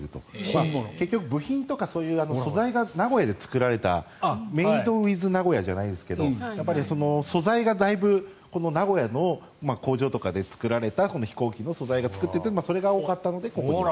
部品とか素材が名古屋で作られたメイド・イン・名古屋じゃないですけど素材がだいぶ名古屋の工場とかで作られた飛行機の素材で作っていてそれが多かったので、ここに。